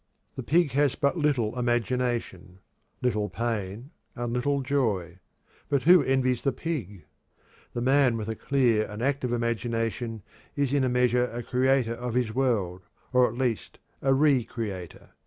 The pig has but little imagination, little pain and little joy, but who envies the pig? The person with a clear and active imagination is in a measure a creator of his world, or at least a re creator.